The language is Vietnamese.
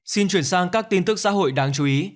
xin chuyển sang các tin tức xã hội đáng chú ý